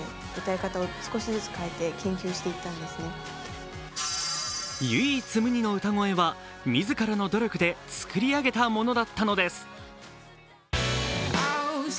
更にその声質も唯一無二の歌声は自らの努力で作り上げたものだったのです。